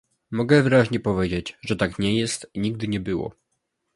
Mogę wyraźnie powiedzieć, że tak nie jest i nigdy nie było